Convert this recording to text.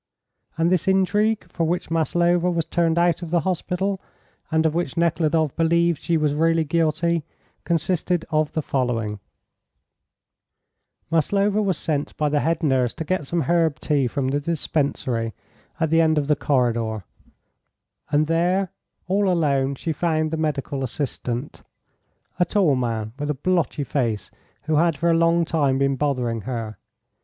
And this intrigue, for which Maslova was turned out of the hospital, and of which Nekhludoff believed she was really guilty, consisted of the following: Maslova was sent by the head nurse to get some herb tea from the dispensary at the end of the corridor, and there, all alone, she found the medical assistant, a tall man, with a blotchy face, who had for a long time been bothering her.